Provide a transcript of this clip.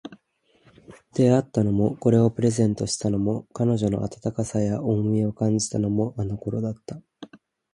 出会ったのも、これをプレゼントしたのも、彼女の温かさや重みを感じたのも、あの頃だった